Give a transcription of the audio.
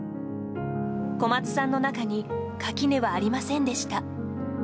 小松さんの中に垣根はありませんでした。